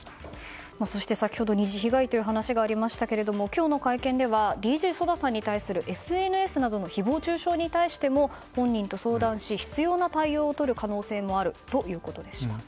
そして、先ほど二次被害という話がありましたが今日の会見ではＤＪＳＯＤＡさんに対するＳＮＳなどの誹謗中傷に対しても本人と相談し、必要な対応をとる可能性もあるということでした。